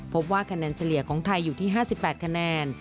พบว่าคะแนนเฉลี่ยของไทยอยู่ที่๕๘คะแนน